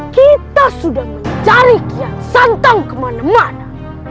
kita sudah mencari kia santang kemana mana